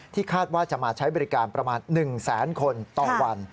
คาดว่าจะมาใช้บริการประมาณ๑แสนคนต่อวัน